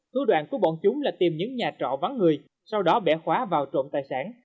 thủ đoạn của bọn chúng là tìm những nhà trọ vắng người sau đó bẻ khóa vào trộm tài sản